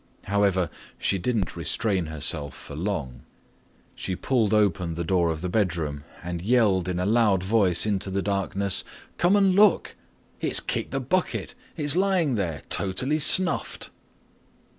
However, she didn't restrain herself for long. She pulled open the door of the bedroom and yelled in a loud voice into the darkness, "Come and look. It's kicked the bucket. It's lying there, totally snuffed!"